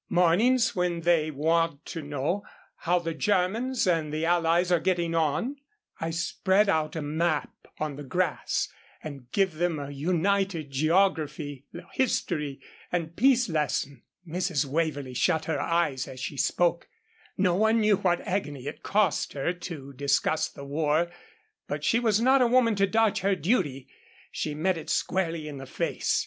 Mornings when they want to know how the Germans and the Allies are getting on, I spread out a map on the grass and give them a united geography, history and peace lesson." Mrs. Waverlee shut her eyes, as she spoke. No one knew what agony it cost her to discuss the war, but she was not a woman to dodge her duty. She met it squarely in the face.